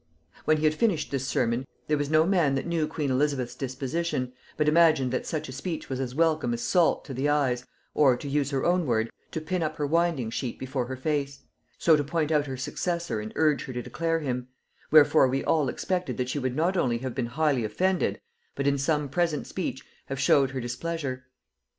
"When he had finished this sermon, there was no man that knew queen Elizabeth's disposition, but imagined that such a speech was as welcome as salt to the eyes, or, to use her own word, to pin up her winding sheet before her face, so to point out her successor and urge her to declare him; wherefore we all expected that she would not only have been highly offended, but in some present speech have showed her displeasure.